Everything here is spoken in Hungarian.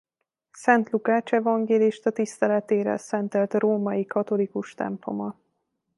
Szent Lukács evangélista tiszteletére szentelt római katolikus temploma.